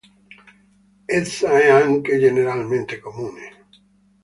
Essa è anche generalmente comune.